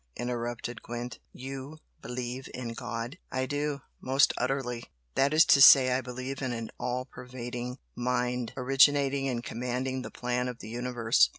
interrupted Gwent "You believe in God?" "I do, most utterly! That is to say I believe in an all pervading Mind originating and commanding the plan of the Universe.